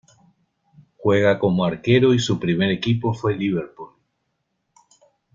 Juega como arquero y su primer equipo fue Liverpool.